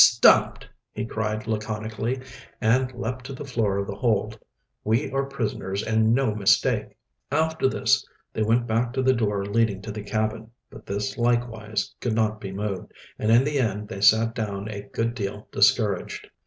"Stumped!" he cried laconically, and leaped to the floor of the hold. "We are prisoners and no mistake." After this they went back to the door leading to the cabin. But this likewise could not be moved, and in the end they sat down a good deal discouraged.